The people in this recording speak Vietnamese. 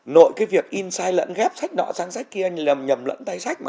nội cái việc in sai lẫn ghép sách nọ sang sách kia là nhầm lẫn tay sách mà